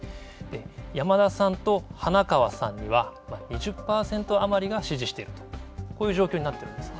山田さんと花川さんには、２０％余りが支持しているとこういう状況になっているんです。